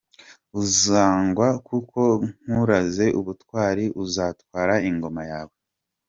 Uzangwa kuko nkuraze ubutwali, Uzatware ingoma yawe.